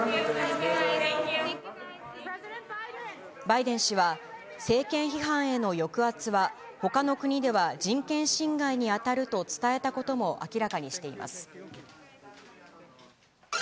バイデン氏は、政権批判への抑圧は、ほかの国では人権侵害に当たると伝えたことも明らかにしています。